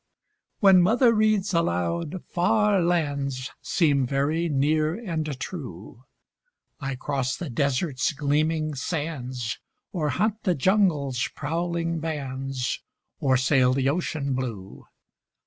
When Mother reads aloud, far lands Seem very near and true; I cross the desert's gleaming sands, Or hunt the jungle's prowling bands, Or sail the ocean blue.